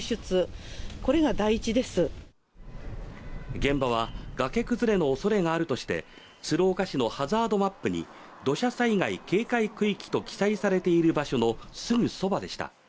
現場は、崖崩れのおそれがあるとして鶴岡市のハザードマップに土砂災害警戒区域と記載されている場所のすぐそばでした。